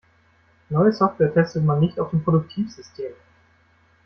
Neue Software testet man nicht auf dem Produktivsystem.